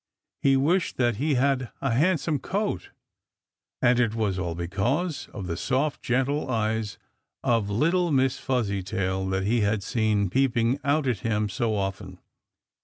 He wished that he had a handsome coat. And it was all because of the soft, gentle eyes of little Miss Fuzzytail that he had seen peeping out at him so often.